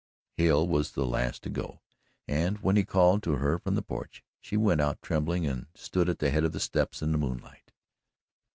Hale was the last to go and when he called to her from the porch, she went out trembling and stood at the head of the steps in the moonlight.